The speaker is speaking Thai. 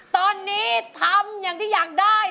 ตอนนี้ทำอย่างที่อยากได้